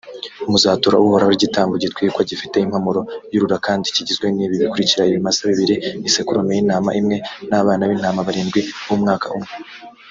muzatura uhoraho igitambo gitwikwa gifite impumuro yurura, kandi kigizwe n’ibi bikurikira: ibimasa bibiri, isekurume y’intama imwe, n’abana b’intama barindwi b’umwaka umwe,